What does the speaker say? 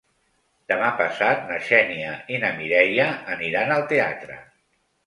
Demà passat na Xènia i na Mireia aniran al teatre.